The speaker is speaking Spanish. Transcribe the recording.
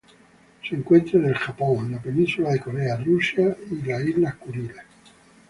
Se encuentra en el Japón, la Península de Corea, Rusia e Islas Kuriles.